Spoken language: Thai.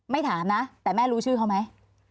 ถามนะแต่แม่รู้ชื่อเขาไหม